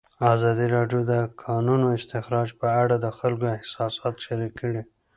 ازادي راډیو د د کانونو استخراج په اړه د خلکو احساسات شریک کړي.